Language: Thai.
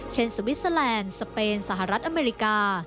สวิสเตอร์แลนด์สเปนสหรัฐอเมริกา